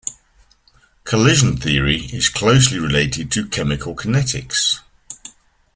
Collision theory is closely related to chemical kinetics.